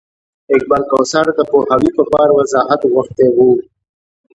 اقبال کوثر د پوهاوي په پار وضاحت غوښتی و.